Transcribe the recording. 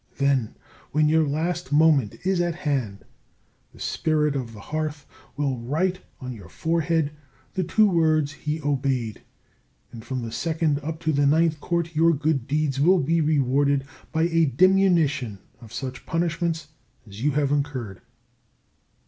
Then, when your last moment is at hand, the Spirit of the Hearth will write on your forehead the two words He obeyed, and from the Second up to the Ninth Court your good deeds will be rewarded by a diminution of such punishments as you have incurred.